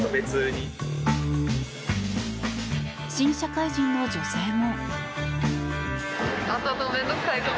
新社会人の女性も。